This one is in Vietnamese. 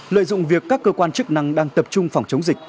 lợi dụng việc các cơ quan chức năng đang tập trung phòng chống dịch